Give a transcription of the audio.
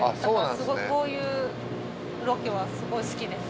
だからこういうロケはすごい好きです。